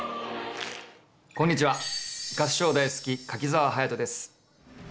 こんにちは合唱大好き柿澤勇人です。